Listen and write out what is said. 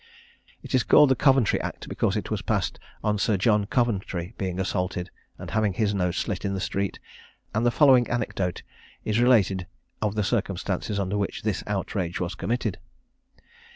It is called the Coventry Act because it was passed on Sir John Coventry being assaulted, and having his nose slit in the street; and the following anecdote is related of the circumstances under which this outrage was committed.